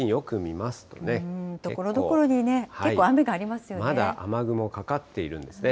ところどころにね、まだ雨雲かかっているんですね。